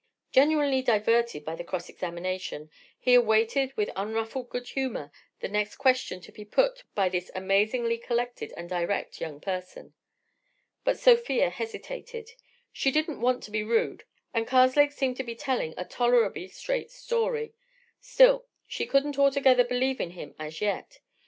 Genuinely diverted by the cross examination, he awaited with unruffled good humour the next question to be put by this amazingly collected and direct young person. But Sofia hesitated. She didn't want to be rude, and Karslake seemed to be telling a tolerably straight story; still, she couldn't altogether believe in him as yet.